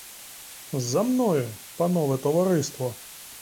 За мною, панове товариство!